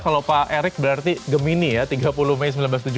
kalau pak erik berarti gemini ya tiga puluh mei seribu sembilan ratus tujuh puluh